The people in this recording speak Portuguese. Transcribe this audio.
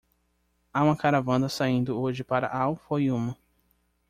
"Há uma caravana saindo hoje para Al-Fayoum."